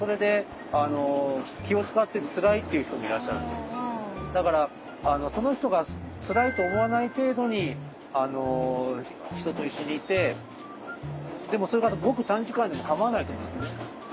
だけどあのだからその人がつらいと思わない程度に人と一緒にいてでもそれがごく短時間でもかまわないと思うんですね。